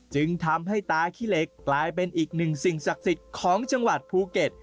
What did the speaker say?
จึงทำให้ตาขี้เหล็กกลายเป็นอีกหนึ่งสิ่งศักดิ์สิทธิ์ของจังหวัดภูเก็ต